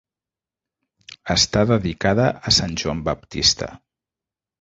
Està dedicada a Sant Joan Baptista.